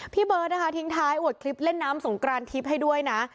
เบิร์ตนะคะทิ้งท้ายอวดคลิปเล่นน้ำสงกรานทิพย์ให้ด้วยนะ